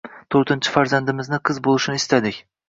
Toʻrtinchi farzandimni qiz boʻlishini istadik.